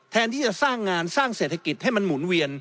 แทนที่จะสร้างงานสร้างเศรษฐกิจให้มันหมุนเวียน